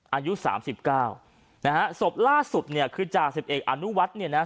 อายุสามสิบเก้านะฮะศพล่าสุดเนี่ยคือจ่าสิบเอกอนุวัฒน์เนี่ยนะ